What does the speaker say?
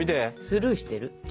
スルーしてる？で？